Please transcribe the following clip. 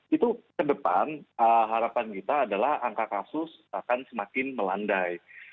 itu ke depan harapan kita adalah angka kasus akan semakin melandai